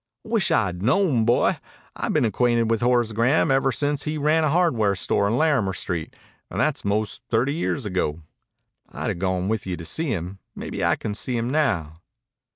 "Wish I'd known, boy. I've been acquainted with Horace Graham ever since he ran a hardware store on Larimer Street, and that's 'most thirty years ago. I'd 'a' gone with you to see him. Maybe I can see him now."